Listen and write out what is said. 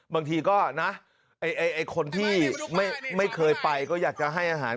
บางทีก็นะไอ้คนที่ไม่เคยไปก็อยากจะให้อาหาร